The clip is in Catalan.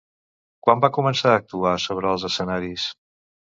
Quan va començar a actuar sobre els escenaris?